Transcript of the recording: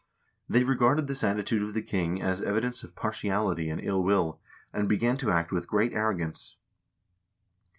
They regarded this attitude of the king as evidence of partiality and ill will, and began to act with great arrogance.